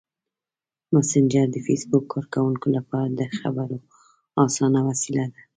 مسېنجر د فېسبوک کاروونکو لپاره د خبرو اسانه وسیله ده.